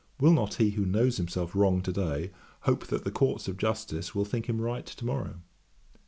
Will not he who knows himself wrong to day, hope that the Courts of Justice will think him right to morrow?